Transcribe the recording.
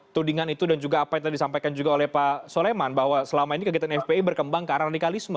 tudingan itu dan juga apa yang tadi disampaikan juga oleh pak soleman bahwa selama ini kegiatan fpi berkembang ke arah radikalisme